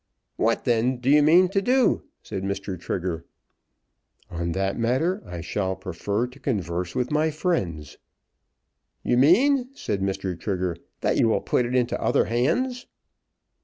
"What then do you mean to do?" said Mr. Trigger. "On that matter I shall prefer to converse with my friends." "You mean," said Mr. Trigger, "that you will put it into other hands."